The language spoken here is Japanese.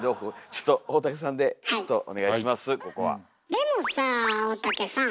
でもさあ大竹さん。